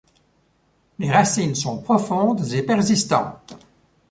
Les racines sont profondes et persistantes.